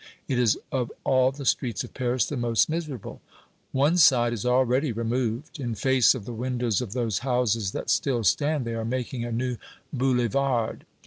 It is of all the streets of Paris the most miserable. One side is already removed. In face of the windows of those houses that still stand they are making a new Boulevard.